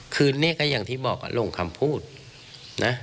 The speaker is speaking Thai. คือนี่ก็อย่างที่บอกลงคำพูดนะ